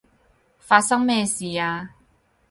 發生咩事啊？